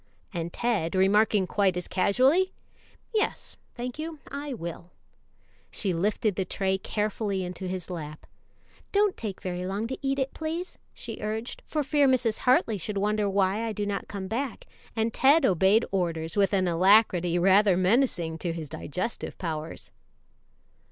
and Ted remarking quite as casually, "Yes, thank you, I will," she lifted the tray carefully into his lap. "Don't take very long to eat it, please," she urged, "for fear Mrs. Hartley should wonder why I do not come hack and Ted obeyed orders with an alacrity rather menacing to his digestive powers.